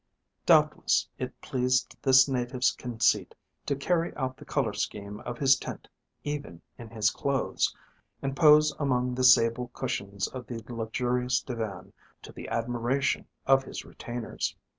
Doubtless it pleased this native's conceit to carry out the colour scheme of his tent even in his clothes, and pose among the sable cushions of the luxurious divan to the admiration of his retainers.